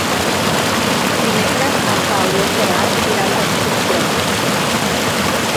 Dimecres en Pau i en Gerard iran d'excursió.